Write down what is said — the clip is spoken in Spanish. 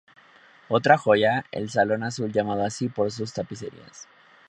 Otra joya, el salón azul, llamado así por sus tapicerías.